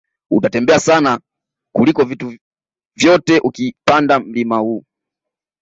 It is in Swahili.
Utatembea sana kliko vitu vyote ukipanda mlima huu